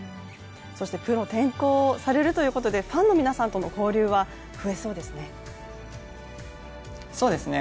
プロ転向されるということでファンの皆さんとの交流は増えそうですね。